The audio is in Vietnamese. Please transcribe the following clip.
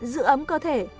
giữ ấm cơ thể